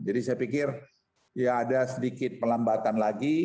jadi saya pikir ya ada sedikit pelambatan lagi